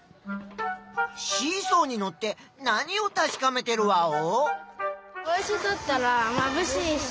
シーソーにのって何をたしかめてるワオ？